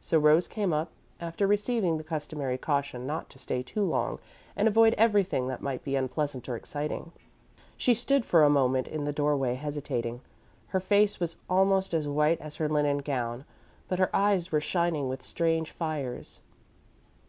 So Rose came up, after receiving the customary caution not to stay too long and avoid everything that might be unpleasant or exciting. She stood for a moment in the doorway, hesitating. Her face was almost as white as her linen gown, but her eyes were shining with strange fires.